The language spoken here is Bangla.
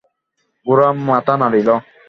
গোরা মাথা নাড়িল।